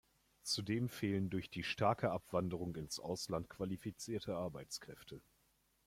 Zudem fehlen durch die starke Abwanderung ins Ausland qualifizierte Arbeitskräfte.